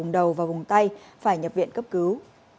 đầu vào vùng tay phải nhập viện cấp cứu